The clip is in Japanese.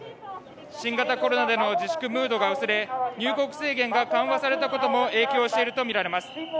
新型コロナでの自粛ムードが薄れ入国制限が緩和されたことも影響しているとみられます。